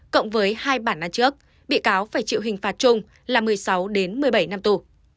cộng với hai bản án trước bị cáo phải chịu hình phạt chung là một mươi sáu một mươi bảy năm tù